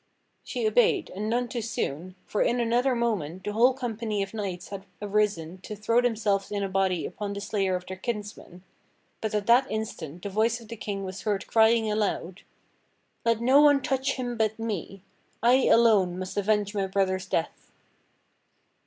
She obeyed, and none too soon, for in another moment the whole company of knights had arisen to throw themselves in a body upon the slayer of their kinsman; but at that instant the voice of the King was heard crying aloud: "Let no one touch him but me ! I alone must avenge my brother's death